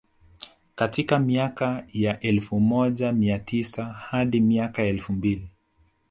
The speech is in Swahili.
Katika miaka ya elfu moja mia tisa hadi miaka ya elfu mbili